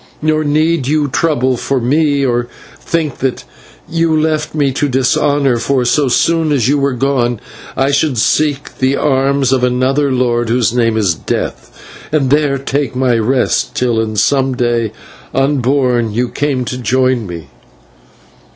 Nor need you trouble for me, or think that you left me to dishonour, for, so soon as you were gone, I should seek the arms of another lord whose name is Death, and there take my rest, till in some day unborn you came to join me."